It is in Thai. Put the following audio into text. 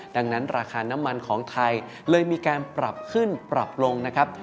ดังนั้นราคาน้ำมันของไทยเลยมีการปรับขึ้นปรับลงนะครับ